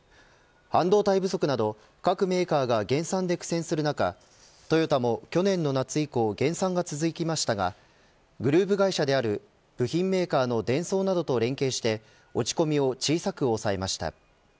半導体不足など各メーカーが減産で苦戦する中トヨタも去年の夏以降減産が続きましたがグループ会社である部品メーカーのデンソーなどと連携して落ち込みを小さく抑えました。